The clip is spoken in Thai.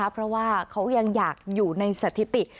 เพราะว่าเขายังอยากอยู่ในสถิติ